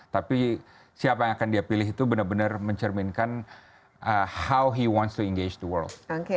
tapi siapa yang akan dia pilih itu benar benar mencerminkan how hewan to engage to world